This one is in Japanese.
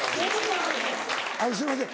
あのすいません